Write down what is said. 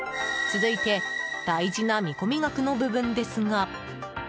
続いて大事な見込み額の部分ですが。